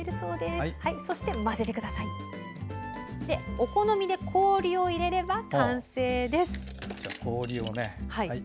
お好みで、氷を入れれば完成です。